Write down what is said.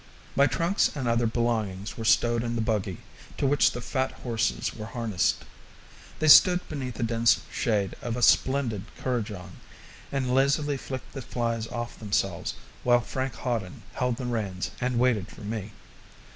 My trunks and other belongings were stowed in the buggy, to which the fat horses were harnessed. They stood beneath the dense shade of a splendid kurrajong, and lazily flicked the flies off themselves while Frank Hawden held the reins and waited for me.